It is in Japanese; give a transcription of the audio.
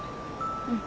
うん。